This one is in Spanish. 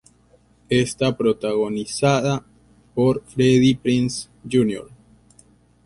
Esta Protagonizada por Freddie Prinze, Jr.